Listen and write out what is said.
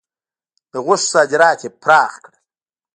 د غوښو صادرات یې پراخ کړل.